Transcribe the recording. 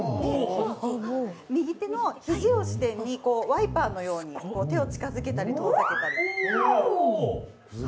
右手の肘を支点にワイパーのように手を近づけたり、遠ざけたり。